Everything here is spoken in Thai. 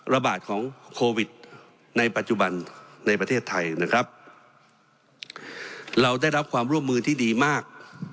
ระบาดของโควิดในปัจจุบันในประเทศไทยนะครับเราได้รับความร่วมมือที่ดีมาก